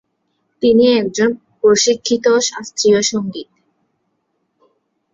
তিনি একজন প্রশিক্ষিত শাস্ত্রীয় সঙ্গীতজ্ঞ।